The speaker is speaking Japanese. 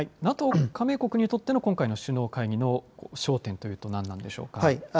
ＮＡＴＯ加盟国にとっての今回の首脳会議の焦点というと何なんでしょうか。